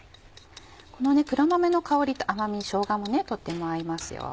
この黒豆の香りと甘みしょうがもとっても合いますよ。